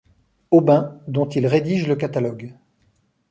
Aubin, dont il rédige le catalogue.